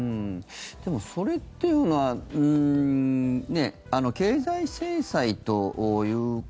でも、それというのは経済制裁という。